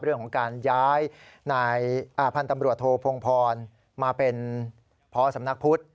เรื่องของการย้ายนายพันธุ์ตำรวจโทพงพรมาเป็นพอสำนักพุทธ